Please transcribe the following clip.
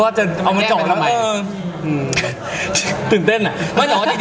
ว่าอย่างไรตื่นเต้นน่ะ